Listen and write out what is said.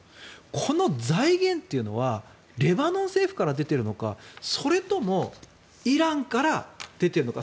この財源というのはレバノン政府から出ているのかそれともイランから出てるのか。